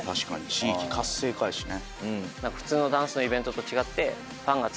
地域活性化やしね。